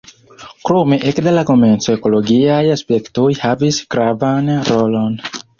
Krome ekde la komenco ekologiaj aspektoj havis gravan rolon.